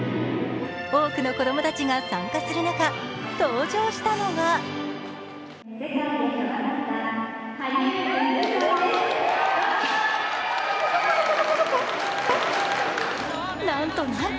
多くの子供たちが参加する中、登場したのがなんとなんと！